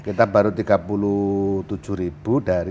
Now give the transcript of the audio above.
kita baru tiga puluh tujuh ribu dari